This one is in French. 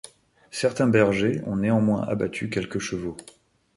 Certains bergers ont néanmoins abattu quelques chevaux.